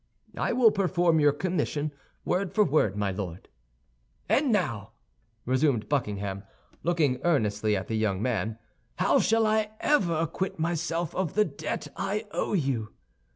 "I will perform your commission, word for word, my Lord." "And now," resumed Buckingham, looking earnestly at the young man, "how shall I ever acquit myself of the debt I owe you?"